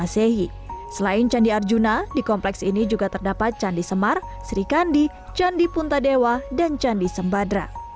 selain candi arjuna di kompleks ini juga terdapat candi semar serikandi candi puntadewa dan candi sembadra